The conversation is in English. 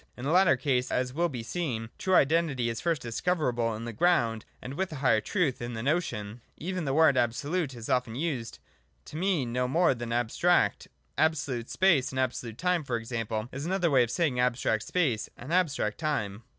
In the latter case, as will be seen, true Identity is first discoverable in the Ground, and, with a higher truth, in the Notion. — Even the word Absolute is often used to mean no more than 'abstract.' Absolute space and absolute time, for example, is another way of saying abstract space and abstract time.